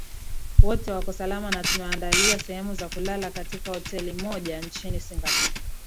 i wote wako salama na tunewaandalia sehemu za kulala katika hoteli moja nchini singapore